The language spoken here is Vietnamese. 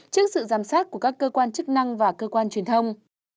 trước sự giám sát của các cơ quan chức năng và cơ quan truyền thông